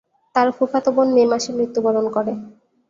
তার ফুফাতো বোন মে মাসে মৃত্যুবরণ করে।